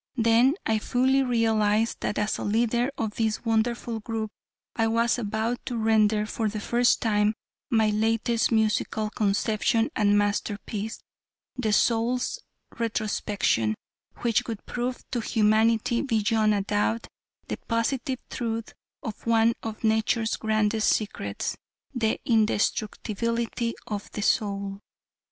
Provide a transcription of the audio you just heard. Then I fully realized that as leader of this wonderful group I was about to render for the first time, my latest musical conception and masterpiece "The Soul's Retrospection" which would prove to humanity beyond a doubt, the positive truth of one of nature's grandest secrets the indestructibility of the soul.